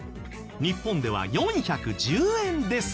日本では４１０円ですが。